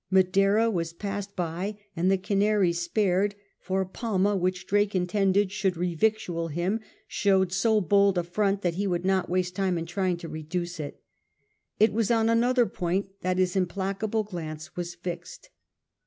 Madeira was passed by and the Canaries spared ; for Palma, which Drake intended should revictual him, showed so bold a front that he would not waste time in trying to reduce it. It was on another point that his implacable glance was fixed.